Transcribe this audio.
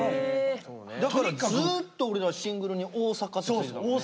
だからずっと俺らシングルに「大阪」って付いてたもんね。